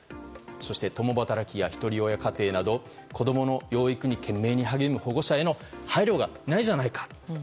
そして、共働きやひとり親家庭など子供の養育に懸命に励む保護者への配慮がないじゃないかと。